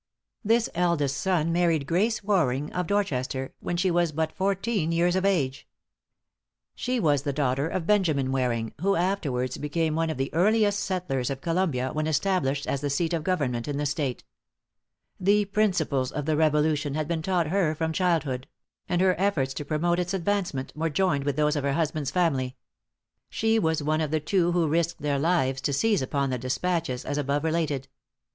This eldest son married Grace Waring, of Dorchester, when she was but fourteen years of age. She was the daughter of Benjamin Waring, who afterwards became one of the earliest settlers of Columbia when established as the seat of government in the State. The principles of the Revolution had been taught her from childhood; and her efforts to promote its advancement were joined with those of her husband's family. She was one of the two who risked their lives to seize upon the despatches, as above related.